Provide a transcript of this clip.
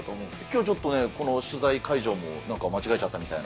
きょうちょっとね、この取材会場もなんか間違えちゃったみたいな。